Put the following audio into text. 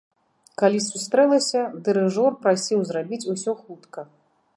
Калі сустрэлася, дырыжор прасіў зрабіць усё хутка.